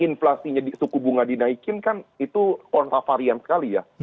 inflasinya suku bunga dinaikin kan itu kontravarian sekali ya